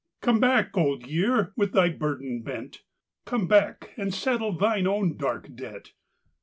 " Come back, Old Year, with thy burden bent. Come back and settle thine own dark debt."